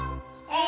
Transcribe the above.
え？